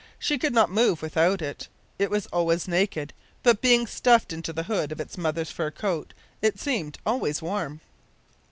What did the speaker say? She could not move without it! It was always naked, but being stuffed into the hood of its mother's fur coat, it seemed always warm.